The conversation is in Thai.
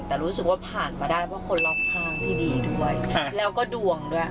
แต่รู้สึกว่าผ่านมาได้เพราะคนรอบข้างที่ดีด้วยแล้วก็ดวงด้วย